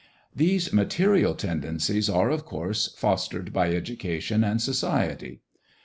These material tendencies are, of course, fostered by education and society.